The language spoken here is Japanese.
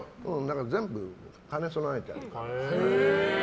全部兼ね備えてる。